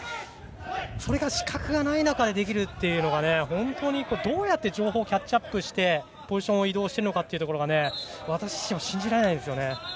それが視覚がない中でできるというのが本当にどうやって情報をキャッチアップしてポジションを移動しているか私は信じられないですね。